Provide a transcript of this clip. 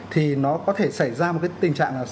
thì nó có thể xảy ra một cái tình trạng là